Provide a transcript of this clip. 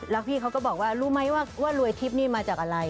แล้วพี่เขาก็บอกว่ารู้ไหมว่ารวยทิพย์นี่มาจากอะไร